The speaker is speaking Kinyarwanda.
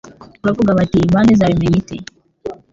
bavuga bati Imana izabimenya ite?